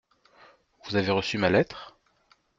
Vous avez reçu ma lettre ?